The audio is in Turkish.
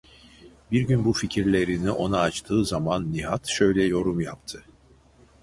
Bir gün bu fikirlerini ona açtığı zaman, Nihat şöyle yorum yaptı: